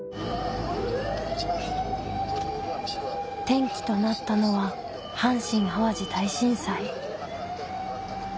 転機となったのは阪神・淡路大震災。